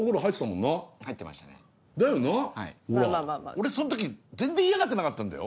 俺そん時全然嫌がってなかったんだよ？